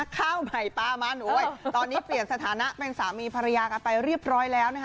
ข้าวใหม่ปลามันตอนนี้เปลี่ยนสถานะเป็นสามีภรรยากันไปเรียบร้อยแล้วนะคะ